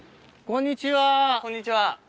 こんにちは！